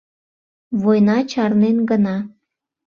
Война чарнен гына.